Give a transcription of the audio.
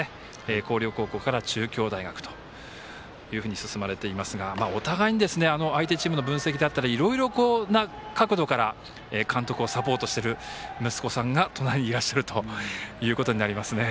広陵高校から中京大学というふうに進まれていますがお互いにですね相手チームの分析だったりいろいろな角度から監督をサポートしてる息子さんが隣にいらっしゃるということになりますね。